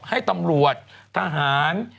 ให้ตำรวจทหาร